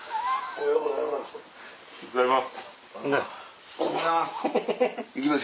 おはようございます。